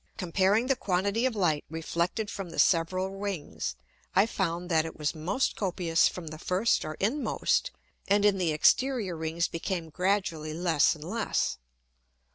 Comparing the quantity of Light reflected from the several Rings, I found that it was most copious from the first or inmost, and in the exterior Rings became gradually less and less.